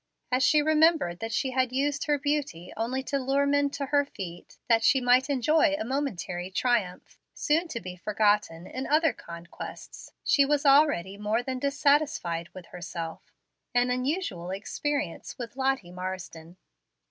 As she remembered that she had used her beauty only to lure men to her feet, that she might enjoy a momentary triumph, soon to be forgotten in other conquests, she was already more than dissatisfied with herself, an unusual experience with Lottie Marsden.